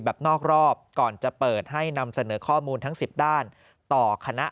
นอกรอบก่อนจะเปิดให้นำเสนอข้อมูลทั้ง๑๐ด้านต่อคณะ